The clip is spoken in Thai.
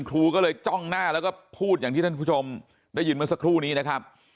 ครูก็เลยจ้องหน้าแล้วก็พูดอย่างที่ท่านผู้ชมได้ยินเมื่อสักครู่นี้นะครับ